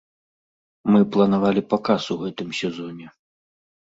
Мы планавалі паказ у гэтым сезоне.